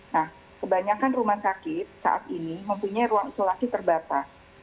nah kebanyakan rumah sakit saat ini mempunyai ruang isolasi terbatas